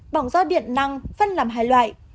bỏng do điện năng phân làm hai loại